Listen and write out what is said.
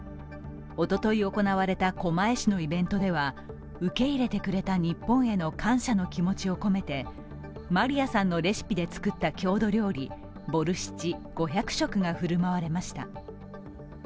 おととい行われた狛江市のイベントでは受け入れてくれた日本への感謝の気持ちを込めてマリアさんのレシピで作った郷土料理、ボルシチ５００食が振る舞われました